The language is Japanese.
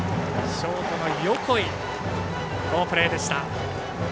ショート横井、好プレーでした。